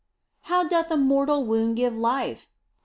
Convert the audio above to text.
How doth a mortal wound give life